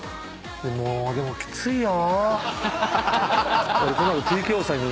もうでもきついよ。